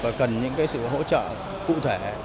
và cần những sự hỗ trợ cụ thể